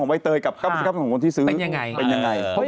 ๙๙๙๙ของไว้เตยกับ๙๙๙๙ของคนที่ซื้อเป็นอย่างไง